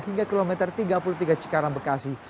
hingga kilometer tiga puluh tiga cikarang bekasi